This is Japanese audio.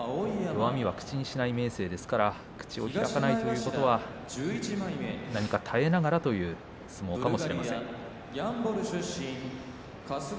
弱みは口にしない明生ですから口を開かないということは何か耐えながらという相撲かもしれません。